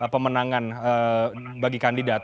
pemenangan bagi kandidat